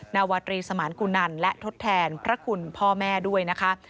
นาวตรีสมานกุนันและทดแทนพระคุณพ่อแม่ด้วยนะคะ